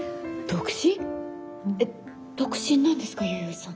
えっ独身なんですか弥生さん。